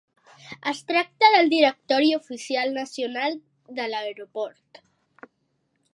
Es tracta del directori oficial nacional de l'aeroport.